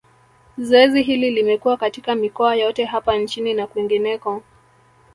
Zoezi hili limekuwa katika mikoa yote hapa nchini na kwingineko